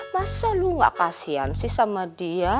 masa lu gak kasian sih sama dia